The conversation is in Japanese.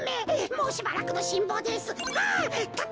もうしばらくのしんぼうです。